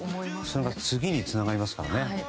それが次につながりますからね。